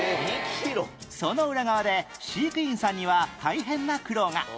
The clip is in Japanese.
その裏側で飼育員さんには大変な苦労が